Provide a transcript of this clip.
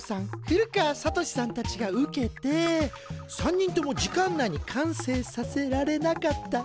古川聡さんたちが受けて３人とも時間内に完成させられなかった。